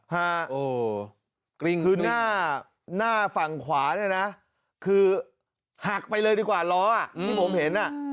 ฮะคือหน้าฝั่งขวาเนี่ยนะคือหักไปเลยดีกว่าล้อที่ผมเห็นอ่ะ